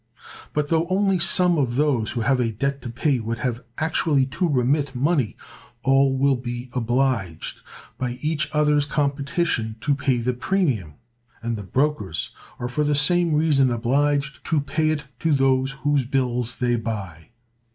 But, though only some of those who have a debt to pay would have actually to remit money, all will be obliged, by each other's competition, to pay the premium; and the brokers are for the same reason obliged to pay it to those whose bills they buy.